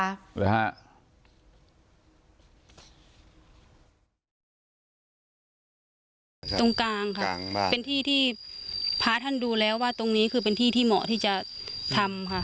ตรงกลางค่ะกลางบ้านเป็นที่ที่พระท่านดูแล้วว่าตรงนี้คือเป็นที่ที่เหมาะที่จะทำค่ะ